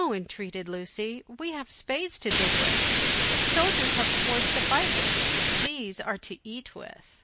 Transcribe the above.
entreated Lucy, "we have spades to dig with, soldiers have swords to fight with, these are to eat with."